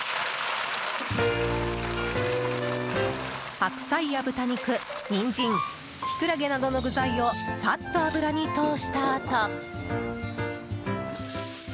白菜や豚肉、ニンジンキクラゲなどの具材をサッと油に通したあと。